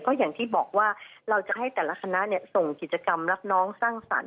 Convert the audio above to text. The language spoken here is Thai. ก็อย่างที่บอกว่าเราจะให้แต่ละคณะส่งกิจกรรมรับน้องสร้างสรรค